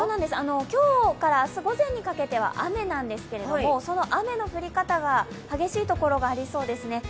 今日から明日午前にかけては雨なんですけどその雨の降り方が激しいところがありそうですね。